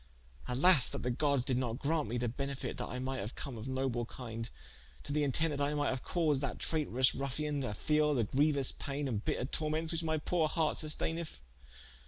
Alas, that the Goddes did not graunte me the benefite, that I might haue come of noble kinde, to the intente I might haue caused that trayterous ruffien, to feele the grieuous paine and bitter tormentes, which my poore harte susteineth.